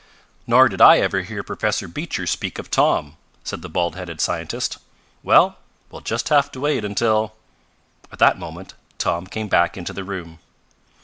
"Nor did I ever hear Professor Beecher speak of Tom," said the bald headed scientist. "Well, we'll just have to wait until " At that moment Tom came back into the room.